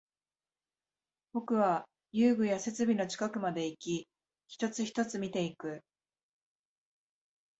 僕は遊具や設備の近くまでいき、一つ、一つ見ていく